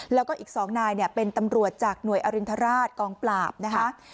แล้วก็อีก๒นายเป็นตำรวจจากหน่วยอรินทราชกองปราบนะคะ